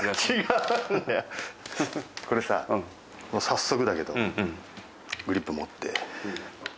これさ早速だけどグリップ持って。